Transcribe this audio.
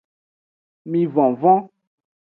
Mi vonvon.